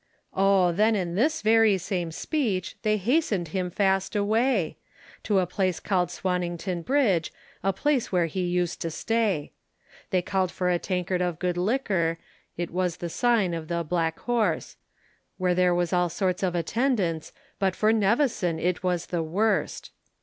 Oh! then in this very same speech, They hastened him fast away, To a place called Swannington bridge, A place where he used to stay. They call'd for a tankard of good liquor, It was the sign of the Black Horse, Where there was all sorts of attendance, But for Nevison it was the worst.